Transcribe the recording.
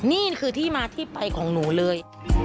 นี่คือที่มาที่ไปของหนูเลย